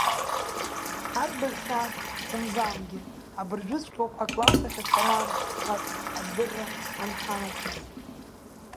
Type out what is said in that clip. Ҳарбаӷь сааҭ хәымзамгьы, абыржәыҵәҟьа ауп, акласс ахь ацара аамҭа шааз адырра анҳанаҭаз!